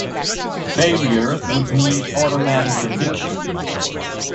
Failure would mean automatic eviction.